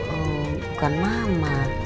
oh bukan mama